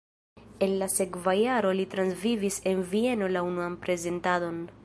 En la sekva jaro li transvivis en Vieno la unuan prezentadon.